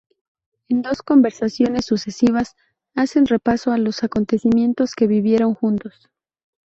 En dos conversaciones sucesivas hacen repaso a los acontecimientos que vivieron juntos.